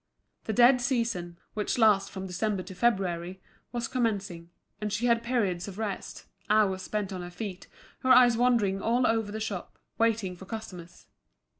The dead season, which lasts from December to February was commencing; and she had periods of rest, hours spent on her feet, her eyes wandering all over the shop, waiting for customers.